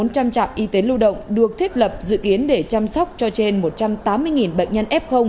bốn trăm linh trạm y tế lưu động được thiết lập dự kiến để chăm sóc cho trên một trăm tám mươi bệnh nhân f